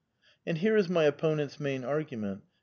And here is my opponent's main argument.